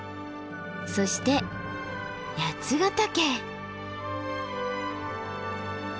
そして八ヶ岳。